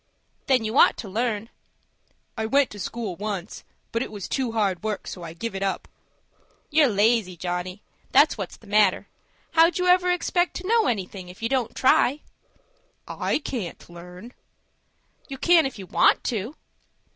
"Then you ought to learn." "I went to school once; but it was too hard work, so I give it up." "You're lazy, Johnny,—that's what's the matter. How'd you ever expect to know anything, if you don't try?" "I can't learn." "You can, if you want to."